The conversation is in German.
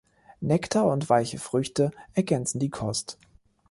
Nektar und weiche Früchte ergänzen die Kost.